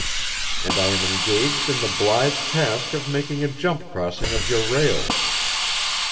and I am engaged in the blithe task of making a jump crossing of your rails.